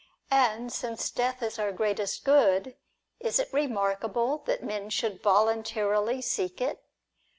And since death is our greatest good, is it remarkable that men should voluntarily seek it